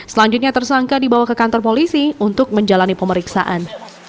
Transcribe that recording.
selanjutnya tersangka dibawa ke kantor polisi untuk menjalani pemeriksaan